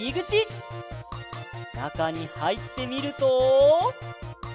なかにはいってみると。